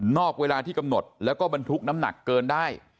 อกเวลาที่กำหนดแล้วก็บรรทุกน้ำหนักเกินได้